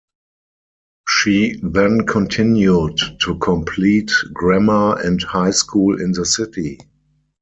She then continued to complete grammar and high school in the city.